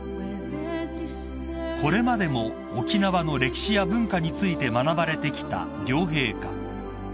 ［これまでも沖縄の歴史や文化について学ばれてきた両陛下］